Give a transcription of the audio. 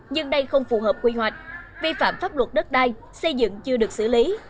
nhưng đây không phù hợp quy hoạch vi phạm pháp luật đất đai xây dựng chưa được xử lý